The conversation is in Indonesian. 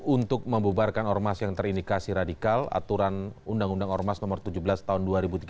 untuk membubarkan ormas yang terindikasi radikal aturan undang undang ormas nomor tujuh belas tahun dua ribu tiga belas